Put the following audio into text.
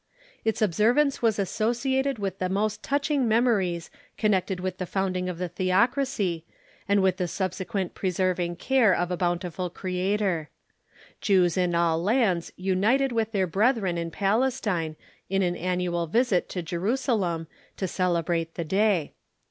Its observance was associated with the most touching memories connected with the founding of the theocracj', and with the subsequent preserving care of a bountiful Creator. Jews in all lands united with their brethren in Palestine in an annual visit to Jerusalem, to celebrate the day.